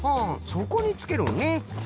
そこにつけるんね。